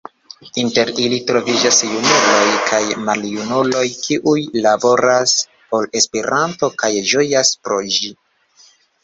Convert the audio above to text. Inter ili troviĝas junuloj kaj maljunuloj, kiuj laboras por Esperanto kaj ĝojas pro ĝi.